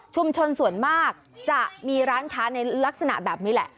ส่วนมากจะมีร้านค้าในลักษณะแบบนี้แหละ